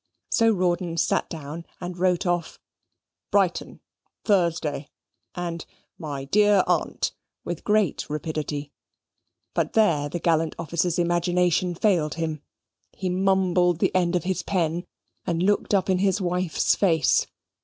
So Rawdon sate down, and wrote off, "Brighton, Thursday," and "My dear Aunt," with great rapidity: but there the gallant officer's imagination failed him. He mumbled the end of his pen, and looked up in his wife's face.